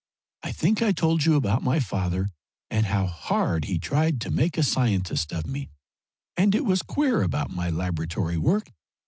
I think I told you about my father, and how hard he tried to make a scientist of me? And it was queer about my laboratory work.